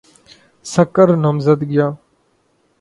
سکر نامزدگیاں